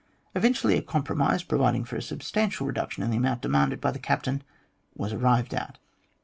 Eventually a compromise, providing ior a substantial reduction in the amount demanded by the captain, was arrived at.